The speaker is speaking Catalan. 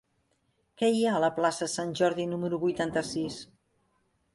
Què hi ha a la plaça de Sant Jordi número vuitanta-sis?